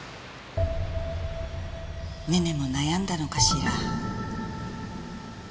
ねねも悩んだのかしら。